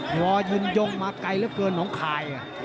พอยืนยกมาไกลเกินของข่าย